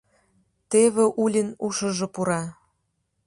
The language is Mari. Теве Улин ушыжо пура.